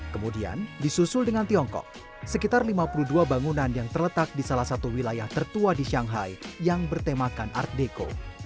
kemudian disusul dengan tiongkok sekitar lima puluh dua bangunan yang terletak di salah satu wilayah tertua di shanghai yang bertemakan art deco